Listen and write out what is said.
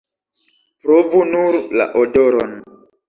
Provu nur la odoron!